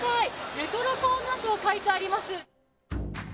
レトロコーナーと書いてあります。